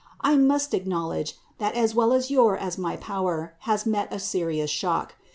I must acknowledge that as well your as my power has met a serious shock.